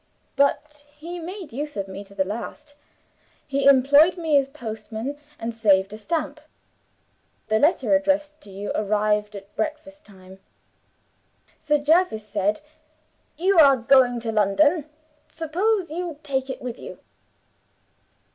But he made use of me to the last. He employed me as postman and saved a stamp. The letter addressed to you arrived at breakfast time. Sir Jervis said, 'You are going to London; suppose you take it with you?